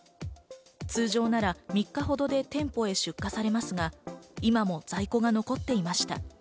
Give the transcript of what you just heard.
通常なら３日ほどで店舗へ出荷されますが、今も在庫が残っていました。